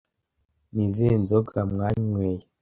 Ni izihe nzoga mwanyweye